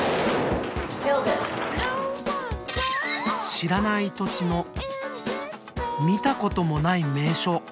知らない土地の見たこともない迷所。